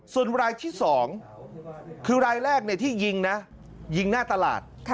ส่วนรายที่๒คือรายแรกที่ยิงนะยิงหน้าตลาด